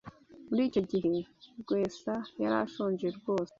Muri icyo gihe, Rwesa yari ashonje rwose.